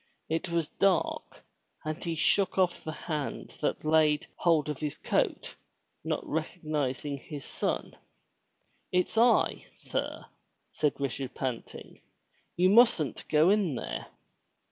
It was dark and he shook off the hand that laid hold of his coat, not recognizing his son. " It's I, sir/' said Richard panting. " You mustn't go in there.''